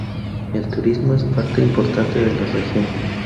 El turismo es parte importante de la región.